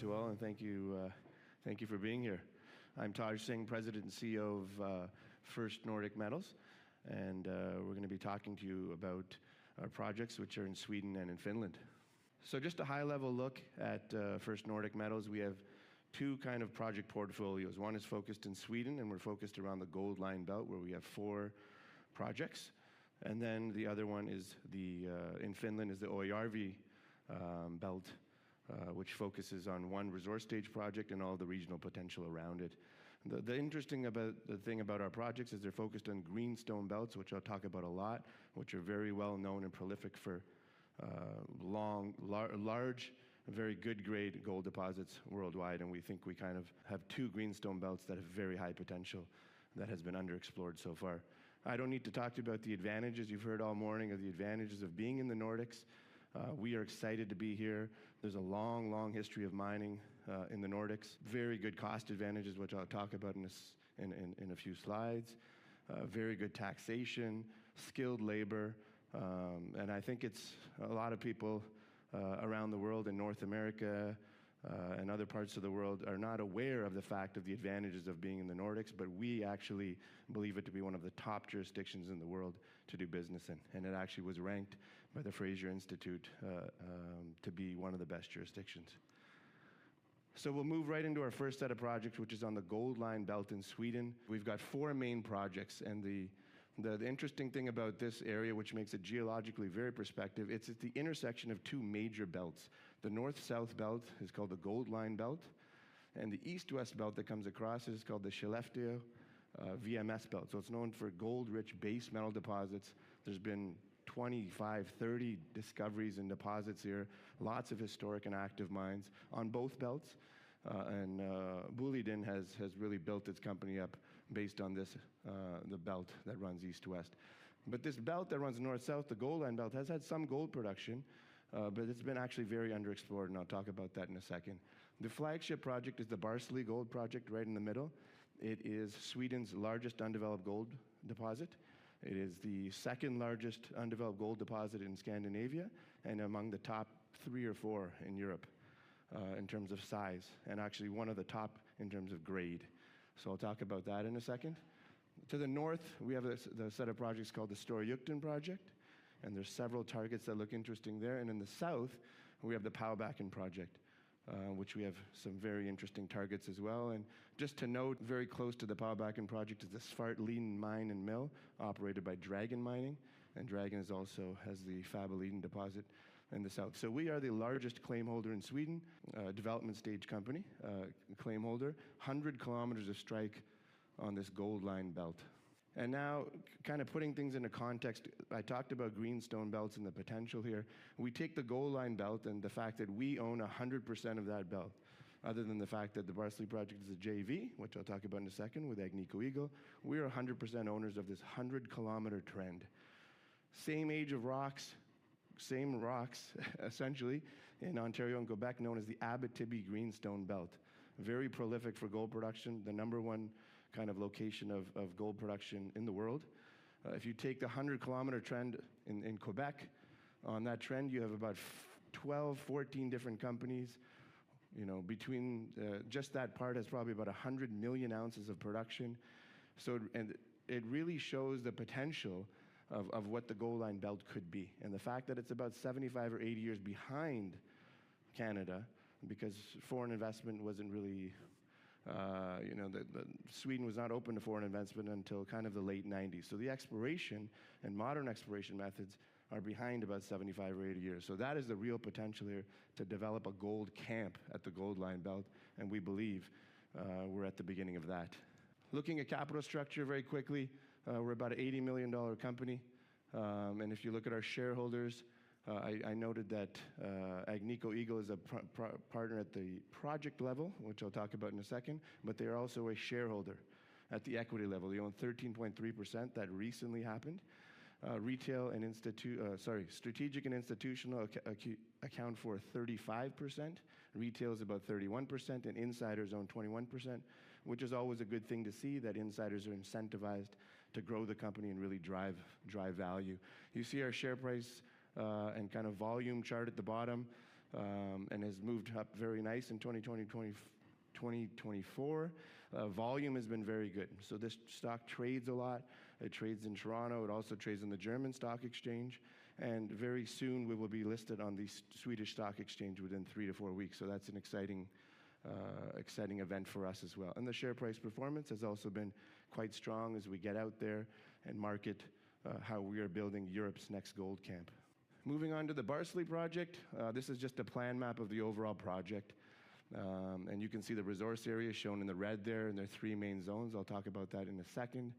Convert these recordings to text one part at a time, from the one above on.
Good morning to all, and thank you for being here. I'm Taj Singh, President and CEO of First Nordic Metals, and we're going to be talking to you about our projects, which are in Sweden and in Finland. So just a high-level look at First Nordic Metals. We have two kinds of project portfolios. One is focused in Sweden, and we're focused around the Gold Line Belt, where we have four projects. And then the other one in Finland is the Oijärvi Belt, which focuses on one resource stage project and all the regional potential around it. The interesting thing about our projects is they're focused on greenstone belts, which I'll talk about a lot, which are very well known and prolific for long, large, very good-grade gold deposits worldwide. We think we kind of have two greenstone belts that have very high potential that have been underexplored so far. I don't need to talk to you about the advantages you've heard all morning of the advantages of being in the Nordics. We are excited to be here. There's a long, long history of mining in the Nordics. Very good cost advantages, which I'll talk about in a few slides. Very good taxation, skilled labor. I think a lot of people around the world in North America and other parts of the world are not aware of the fact of the advantages of being in the Nordics, but we actually believe it to be one of the top jurisdictions in the world to do business in. It actually was ranked by the Fraser Institute to be one of the best jurisdictions. So we'll move right into our first set of projects, which is on the Gold Line Belt in Sweden. We've got four main projects. And the interesting thing about this area, which makes it geologically very prospective, is it's the intersection of two major belts. The north-south belt is called the Gold Line Belt, and the east-west belt that comes across is called the Skellefteå VMS Belt. So it's known for gold-rich base metal deposits. There's been 25, 30 discoveries and deposits here, lots of historic and active mines on both belts. And Boliden has really built its company up based on the belt that runs east-west. But this belt that runs north-south, the Gold Line Belt, has had some gold production, but it's been actually very underexplored, and I'll talk about that in a second. The flagship project is the Barsele Gold Project right in the middle. It is Sweden's largest undeveloped gold deposit. It is the second largest undeveloped gold deposit in Scandinavia and among the top three or four in Europe in terms of size, and actually one of the top in terms of grade. So I'll talk about that in a second. To the north, we have a set of projects called the Storjuktan Project, and there are several targets that look interesting there. And in the south, we have the Paubäcken Project, which we have some very interesting targets as well. And just to note, very close to the Paubäcken Project is the Svartliden Mine and Mill, operated by Dragon Mining. And Dragon also has the Fäboliden deposit in the south. So we are the largest claim holder in Sweden, a development stage company claim holder, 100 km of strike on this Gold Line Belt. Now, kind of putting things into context, I talked about greenstone belts and the potential here. We take the Gold Line Belt and the fact that we own 100% of that belt, other than the fact that the Barsele Project is a JV, which I'll talk about in a second with Agnico Eagle. We are 100% owners of this 100 km trend. Same age of rocks, same rocks, essentially, in Ontario and Quebec, known as the Abitibi Greenstone Belt. Very prolific for gold production, the number one kind of location of gold production in the world. If you take the 100 km trend in Quebec, on that trend, you have about 12-14 different companies. Between just that part, it's probably about 100 million ounces of production. It really shows the potential of what the Gold Line Belt could be. The fact that it's about 75 or 80 years behind Canada, because foreign investment wasn't really. Sweden was not open to foreign investment until kind of the late 1990s. So the exploration and modern exploration methods are behind about 75 or 80 years. So that is the real potential here to develop a gold camp at the Gold Line Belt, and we believe we're at the beginning of that. Looking at capital structure very quickly, we're about a 80 million dollar company. And if you look at our shareholders, I noted that Agnico Eagle is a partner at the project level, which I'll talk about in a second, but they are also a shareholder at the equity level. They own 13.3%. That recently happened. Retail and institutional account for 35%. Retail is about 31%, and insiders own 21%, which is always a good thing to see that insiders are incentivized to grow the company and really drive value. You see our share price and kind of volume chart at the bottom and has moved up very nice in 2020 and 2024. Volume has been very good. So this stock trades a lot. It trades in Toronto. It also trades on the German Stock Exchange. And very soon, we will be listed on the Swedish Stock Exchange within three to four weeks. So that's an exciting event for us as well. And the share price performance has also been quite strong as we get out there and market how we are building Europe's next gold camp. Moving on to the Barsele Project, this is just a plan map of the overall project. You can see the resource area shown in the red there, and there are three main zones. I'll talk about that in a second.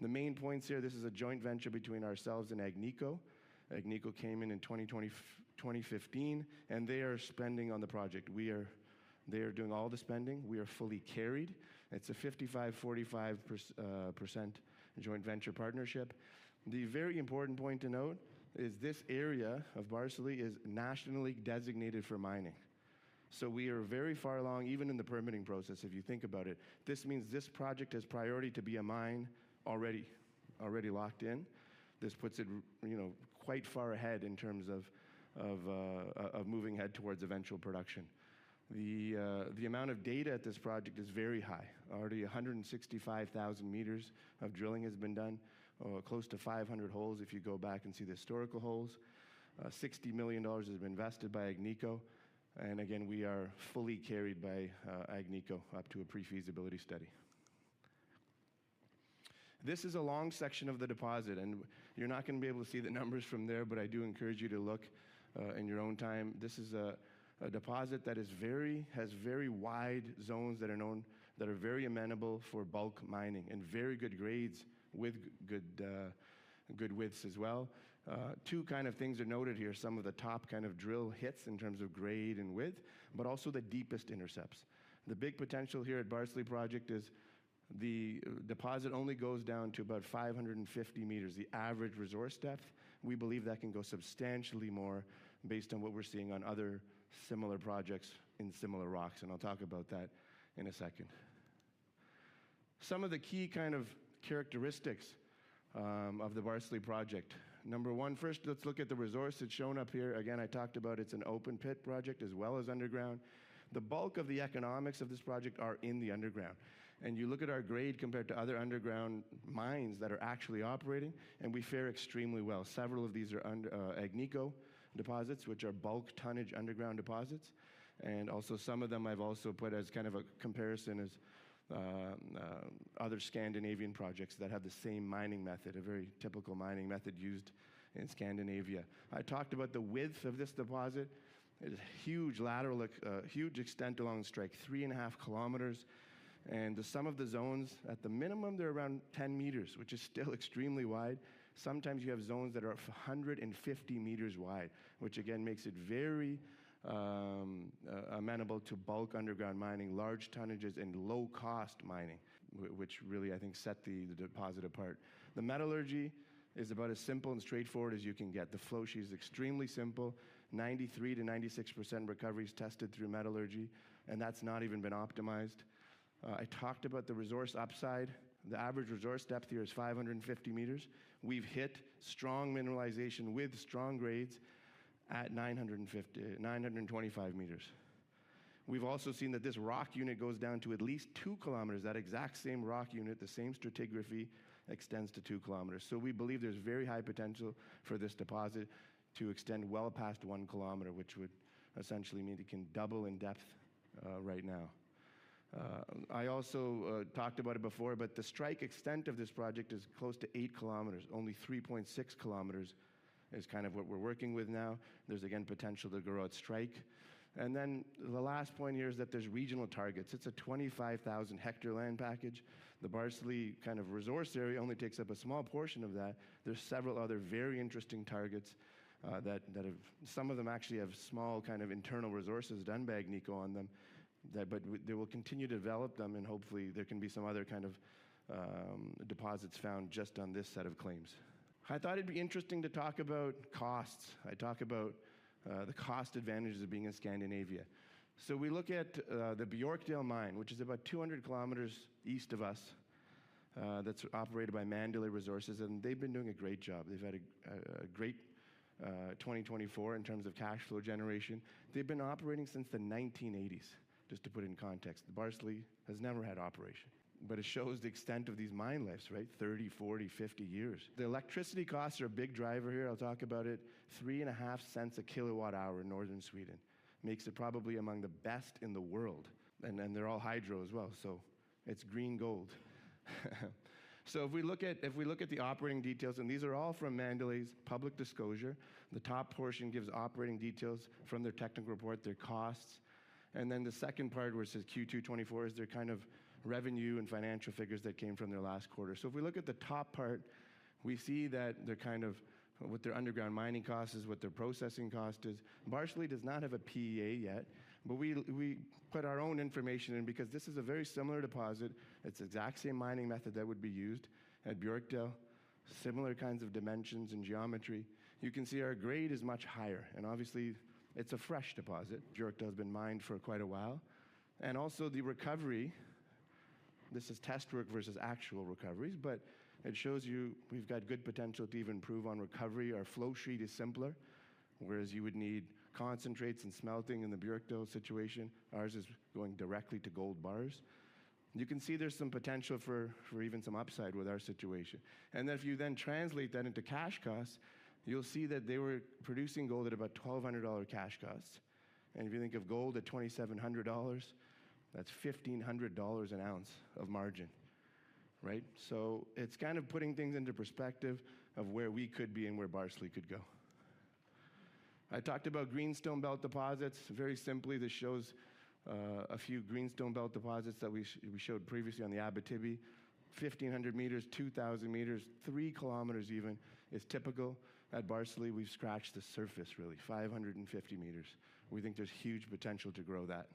The main points here, this is a joint venture between ourselves and Agnico. Agnico came in in 2015, and they are spending on the project. They are doing all the spending. We are fully carried. It's a 55%-45% joint venture partnership. The very important point to note is this area of Barsele is nationally designated for mining. So we are very far along, even in the permitting process, if you think about it. This means this project has priority to be a mine already locked in. This puts it quite far ahead in terms of moving ahead towards eventual production. The amount of data at this project is very high. Already 165,000 m of drilling has been done, close to 500 holes if you go back and see the historical holes. $60 million has been invested by Agnico. And again, we are fully carried by Agnico up to a pre-feasibility study. This is a long section of the deposit, and you're not going to be able to see the numbers from there, but I do encourage you to look in your own time. This is a deposit that has very wide zones that are very amenable for bulk mining and very good grades with good widths as well. Two kind of things are noted here, some of the top kind of drill hits in terms of grade and width, but also the deepest intercepts. The big potential here at Barsele Project is the deposit only goes down to about 550 m, the average resource depth. We believe that can go substantially more based on what we're seeing on other similar projects in similar rocks. And I'll talk about that in a second. Some of the key kind of characteristics of the Barsele Project. Number one, first, let's look at the resource that's shown up here. Again, I talked about it's an open pit project as well as underground. The bulk of the economics of this project are in the underground. And you look at our grade compared to other underground mines that are actually operating, and we fare extremely well. Several of these are Agnico deposits, which are bulk tonnage underground deposits. And also some of them I've also put as kind of a comparison as other Scandinavian projects that have the same mining method, a very typical mining method used in Scandinavia. I talked about the width of this deposit. It is a huge lateral, huge extent along strike, 3.5 km. Some of the zones, at the minimum, they're around 10 m, which is still extremely wide. Sometimes you have zones that are 150 m wide, which again makes it very amenable to bulk underground mining, large tonnages, and low-cost mining, which really, I think, set the deposit apart. The metallurgy is about as simple and straightforward as you can get. The flow sheet is extremely simple. 93%-96% recovery is tested through metallurgy, and that's not even been optimized. I talked about the resource upside. The average resource depth here is 550 m. We've hit strong mineralization with strong grades at 925 m. We've also seen that this rock unit goes down to at least 2 km. That exact same rock unit, the same stratigraphy, extends to 2 km. We believe there's very high potential for this deposit to extend well past 1 km, which would essentially mean it can double in depth right now. I also talked about it before, but the strike extent of this project is close to 8 km. Only 3.6 km is kind of what we're working with now. There's again potential to grow at strike. Then the last point here is that there's regional targets. It's a 25,000-hectare land package. The Barsele kind of resource area only takes up a small portion of that. There's several other very interesting targets that have some of them actually have small kind of internal resources done by Agnico on them, but they will continue to develop them, and hopefully there can be some other kind of deposits found just on this set of claims. I thought it'd be interesting to talk about costs. I talk about the cost advantages of being in Scandinavia. We look at the Björkdal mine, which is about 200 km east of us. That's operated by Mandalay Resources, and they've been doing a great job. They've had a great 2024 in terms of cash flow generation. They've been operating since the 1980s, just to put it in context. Barsele has never had operation, but it shows the extent of these mine lives, right? 30, 40, 50 years. The electricity costs are a big driver here. I'll talk about it. $0.035/kWh in northern Sweden makes it probably among the best in the world. And they're all hydro as well, so it's green gold. If we look at the operating details, and these are all from Mandalay's public disclosure, the top portion gives operating details from their technical report, their costs. Then the second part, where it says Q2 2024, is their kind of revenue and financial figures that came from their last quarter. If we look at the top part, we see that their kind of what their underground mining cost is, what their processing cost is. Barsele does not have a PEA yet, but we put our own information in because this is a very similar deposit. It's the exact same mining method that would be used at Björkdal, similar kinds of dimensions and geometry. You can see our grade is much higher, and obviously, it's a fresh deposit. Björkdal has been mined for quite a while. Also the recovery, this is test work versus actual recoveries, but it shows you we've got good potential to even prove on recovery. Our flow sheet is simpler, whereas you would need concentrates and smelting in the Björkdal situation. Ours is going directly to gold bars. You can see there's some potential for even some upside with our situation. And then if you then translate that into cash costs, you'll see that they were producing gold at about $1,200 cash costs. And if you think of gold at $2,700, that's $1,500 an ounce of margin, right? So it's kind of putting things into perspective of where we could be and where Barsele could go. I talked about greenstone belt deposits. Very simply, this shows a few greenstone belt deposits that we showed previously on the Abitibi. 1,500 m, 2,000 m, 3 km even is typical. At Barsele, we've scratched the surface, really, 550 m. We think there's huge potential to grow that.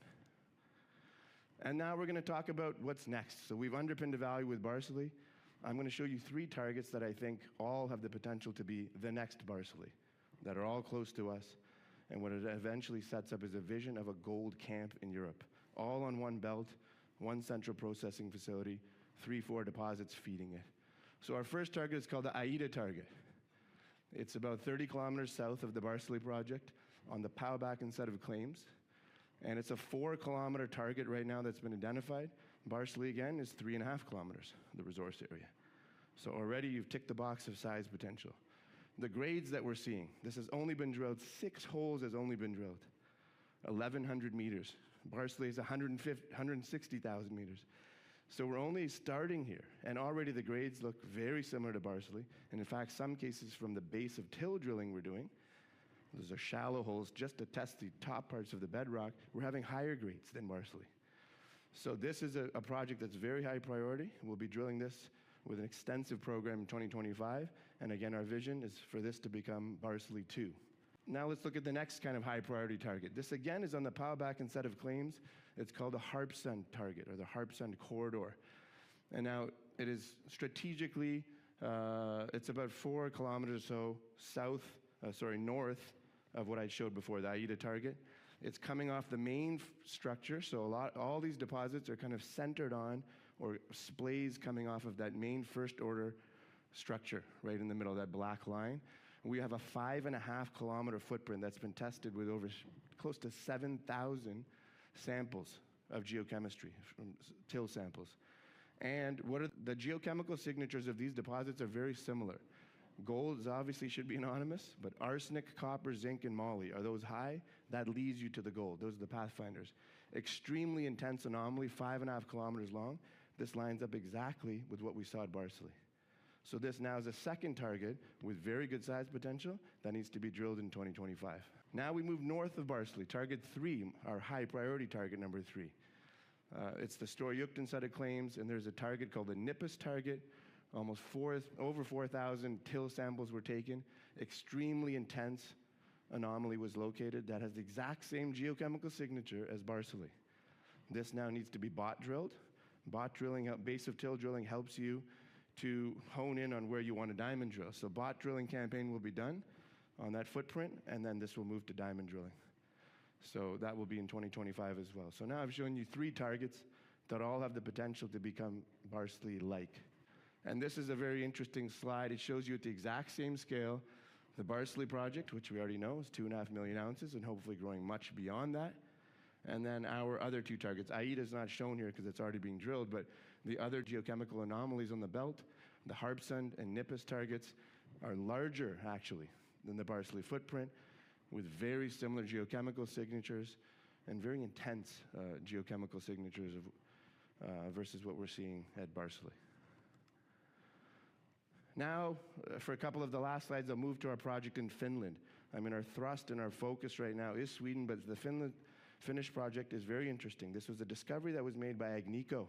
And now we're going to talk about what's next. So we've underpinned the value with Barsele. I'm going to show you three targets that I think all have the potential to be the next Barsele that are all close to us. And what it eventually sets up is a vision of a gold camp in Europe, all on one belt, one central processing facility, three, four deposits feeding it. So our first target is called the Aida target. It's about 30 km south of the Barsele project on the Paubäcken set of claims. And it's a 4-km target right now that's been identified. Barsele, again, is 3.5 km, the resource area. So already you've ticked the box of size potential. The grades that we're seeing, this has only been drilled six holes, 1,100 m. Barsele is 160,000 m. So we're only starting here, and already the grades look very similar to Barsele. In fact, in some cases from the base of till drilling we're doing, those are shallow holes, just to test the top parts of the bedrock, we're having higher grades than Barsele. This is a project that's very high priority. We'll be drilling this with an extensive program in 2025. Our vision is for this to become Barsele 2. Now let's look at the next kind of high-priority target. This again is on the Paubäcken set of claims. It's called the Harpsund target or the Harpsund corridor. It is strategically, it's about 4 km or so south, sorry, north of what I showed before, the Aida target. It's coming off the main structure. So all these deposits are kind of centered on or splays coming off of that main first-order structure right in the middle of that black line. We have a 5.5 km footprint that's been tested with over close to 7,000 samples of geochemistry, till samples. And the geochemical signatures of these deposits are very similar. Gold obviously should be anomalous, but arsenic, copper, zinc, and moly are those high that leads you to the gold. Those are the pathfinders. Extremely intense anomaly, 5.5 km long. This lines up exactly with what we saw at Barsele. So this now is a second target with very good size potential that needs to be drilled in 2025. Now we move north of Barsele. Target three, our high-priority target number three. It's the Storjuktan set of claims, and there's a target called the Nippas target. Almost over 4,000 till samples were taken. Extremely intense anomaly was located that has the exact same geochemical signature as Barsele. This now needs to be BOT drilled. BOT drilling, base of till drilling, helps you to hone in on where you want to diamond drill. So BOT drilling campaign will be done on that footprint, and then this will move to diamond drilling. So that will be in 2025 as well. So now I've shown you three targets that all have the potential to become Barsele-like. And this is a very interesting slide. It shows you at the exact same scale the Barsele project, which we already know is 2.5 million ounces and hopefully growing much beyond that. And then our other two targets, Aida is not shown here because it's already being drilled, but the other geochemical anomalies on the belt, the Harpsund and Nippas targets are larger actually than the Barsele footprint with very similar geochemical signatures and very intense geochemical signatures versus what we're seeing at Barsele. Now, for a couple of the last slides, I'll move to our project in Finland. I mean, our thrust and our focus right now is Sweden, but the Finland-Finnish project is very interesting. This was a discovery that was made by Agnico,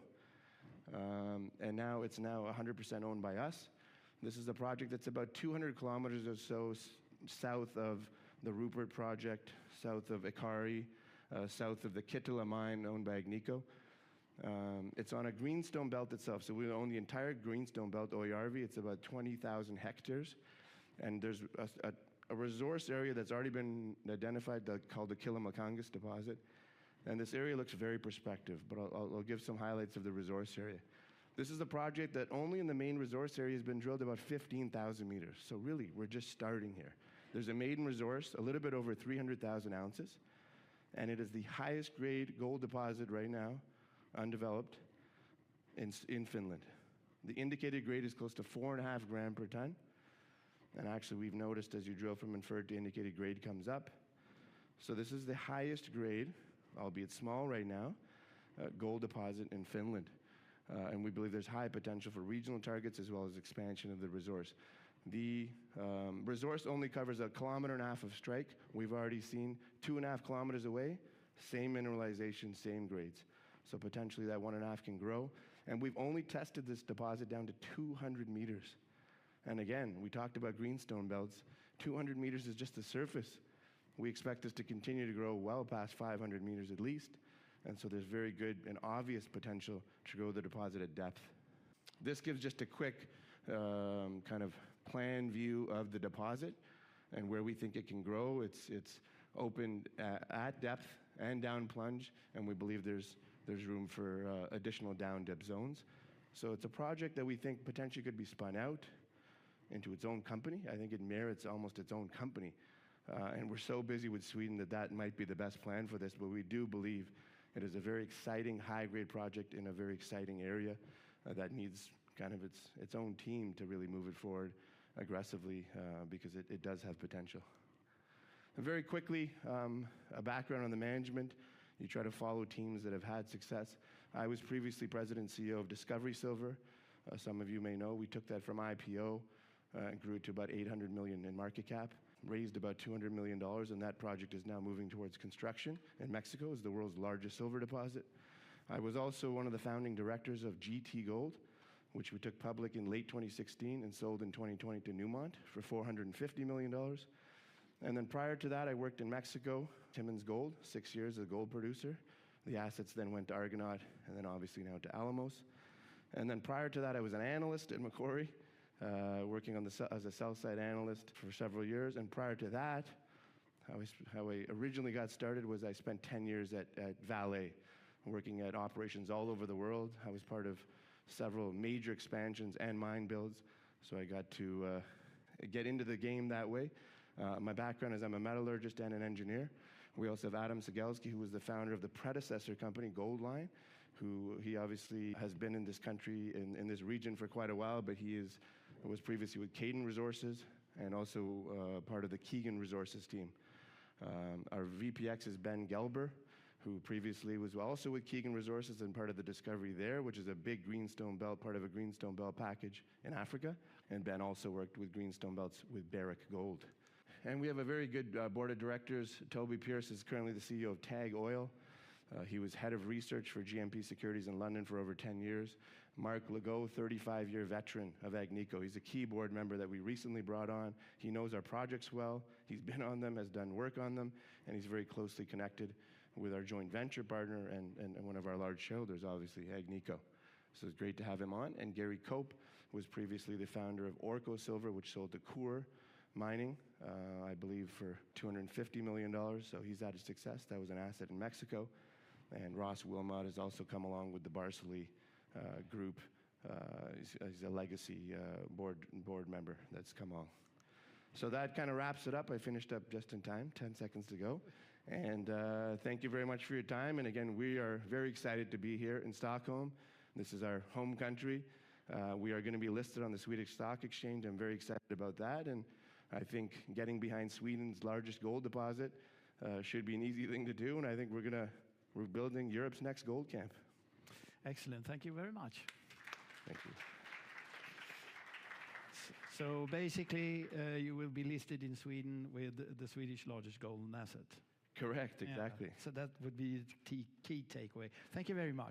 and now it's 100% owned by us. This is a project that's about 200 km or so south of the Rupert project, south of Ikkari, south of the Kittilä mine owned by Agnico. It's on a greenstone belt itself, so we own the entire greenstone belt Oijärvi. It's about 20,000 hectares. And there's a resource area that's already been identified called the Kylmäkangas deposit. And this area looks very prospective, but I'll give some highlights of the resource area. This is a project that only in the main resource area has been drilled about 15,000 m. So really, we're just starting here. There's a maiden resource, a little bit over 300,000 oz, and it is the highest grade gold deposit right now undeveloped in Finland. The indicated grade is close to four and a half grams per ton. And actually, we've noticed as you drill from inferred, the indicated grade comes up. So this is the highest grade, albeit small right now, gold deposit in Finland. And we believe there's high potential for regional targets as well as expansion of the resource. The resource only covers a kilometer and a half of strike. We've already seen 2.5 km away, same mineralization, same grades. So potentially that one and a half can grow. And we've only tested this deposit down to 200 m. And again, we talked about greenstone belts. 200 m is just the surface. We expect this to continue to grow well past 500 m at least. And so there's very good and obvious potential to grow the deposit at depth. This gives just a quick kind of plan view of the deposit and where we think it can grow. It's open at depth and down plunge, and we believe there's room for additional down dip zones. So it's a project that we think potentially could be spun out into its own company. I think it merits almost its own company. And we're so busy with Sweden that that might be the best plan for this, but we do believe it is a very exciting high-grade project in a very exciting area that needs kind of its own team to really move it forward aggressively because it does have potential. And very quickly, a background on the management. You try to follow teams that have had success. I was previously president CEO of Discovery Silver. Some of you may know we took that from IPO and grew it to about 800 million in market cap, raised about $200 million, and that project is now moving towards construction in Mexico as the world's largest silver deposit. I was also one of the founding directors of GT Gold, which we took public in late 2016 and sold in 2020 to Newmont for $450 million, and then prior to that, I worked in Mexico, Timmins Gold, six years as a gold producer. The assets then went to Argonaut and then obviously now to Alamos, and then prior to that, I was an analyst at Macquarie working as a sell-side analyst for several years, and prior to that, how I originally got started was I spent 10 years at Vale working at operations all over the world. I was part of several major expansions and mine builds, so I got to get into the game that way. My background is I'm a metallurgist and an engineer. We also have Adam Cegielski, who was the founder of the predecessor company, Gold Line, who he obviously has been in this country, in this region for quite a while, but he was previously with Cayden Resources and also part of the Keegan Resources team. Our VP Exploration is Ben Gelber, who previously was also with Keegan Resources and part of the discovery there, which is a big greenstone belt, part of a greenstone belt package in Africa. And Ben also worked with greenstone belts with Barrick Gold. And we have a very good board of directors. Toby Pierce is currently the CEO of TAG Oil. He was head of research for GMP Securities in London for over 10 years. Marc Legault, 35-year veteran of Agnico. He's a key board member that we recently brought on. He knows our projects well. He's been on them, has done work on them, and he's very closely connected with our joint venture partner and one of our large shareholders, obviously, Agnico. So it's great to have him on. And Gary Cope was previously the founder of Orco Silver, which sold to Coeur Mining, I believe, for $250 million. So he's had a success. That was an asset in Mexico. And Ross Wilmot has also come along with the Barsele group. He's a legacy board member that's come along. So that kind of wraps it up. I finished up just in time, 10 seconds to go. And thank you very much for your time. And again, we are very excited to be here in Stockholm. This is our home country. We are going to be listed on the Swedish Stock Exchange. I'm very excited about that. I think getting behind Sweden's largest gold deposit should be an easy thing to do. I think we're going to build Europe's next gold camp. Excellent. Thank you very much. Thank you. Basically, you will be listed in Sweden with Sweden's largest gold asset. Correct, exactly. So that would be the key takeaway. Thank you very much.